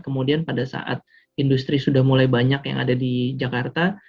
kemudian pada saat industri sudah mulai banyak yang ada di jakarta